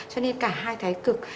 cho nên cả hai cái cực